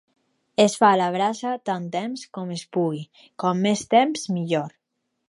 Es fa a la brasa tant temps com es pugui, com més temps, millor.